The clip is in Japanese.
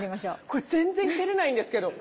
これ全然蹴れないんですけど。